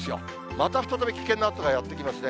また再び危険な暑さがやって来ますね。